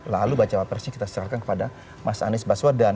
lalu baca wapresnya kita serahkan kepada mas anies baswedan